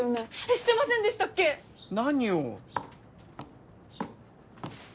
してませんでしたっけ！？何を？